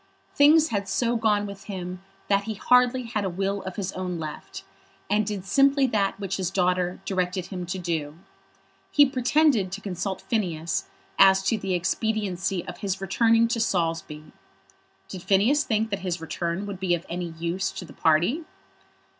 Things had so gone with him that he had hardly a will of his own left, and did simply that which his daughter directed him to do. He pretended to consult Phineas as to the expediency of his returning to Saulsby. Did Phineas think that his return would be of any use to the party?